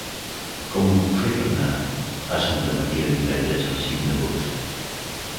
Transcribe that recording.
Com ho puc fer per anar a Santa Maria de Miralles el cinc d'agost?